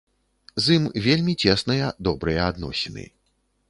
З ім вельмі цесныя добрыя адносіны.